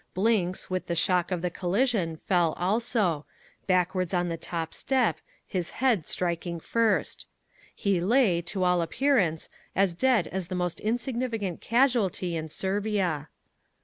Blinks with the shock of the collision fell also, backwards on the top step, his head striking first. He lay, to all appearance, as dead as the most insignificant casualty in Servia.